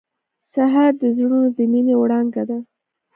سهار د زړونو د مینې وړانګه ده.